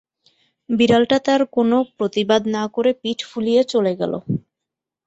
বিড়ালটা তার কোনো প্রতিবাদ না করে পিঠ ফুলিয়ে চলে গেল।